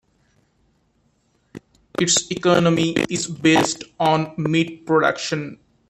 Its economy is based on meat production.